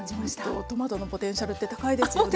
ほんとトマトのポテンシャルって高いですよね。